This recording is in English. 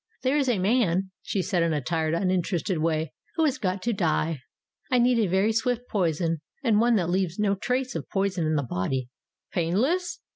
"There is a man," she said in a tired, uninterested way, "who has got to die. I need a very swift poison and one that leaves no trace of poison in the body." "Painless?"